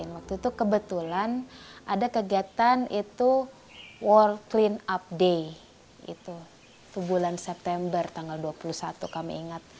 waktu itu kebetulan ada kegiatan itu war clean upday itu bulan september tanggal dua puluh satu kami ingat